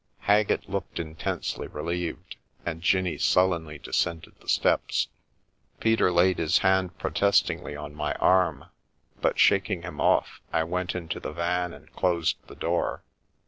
Haggett looked intensely relieved, and Jinnie sullenly descended the steps. Peter laid his hand protestingly on my arm, but shaking him off, I went into the van and closed the door.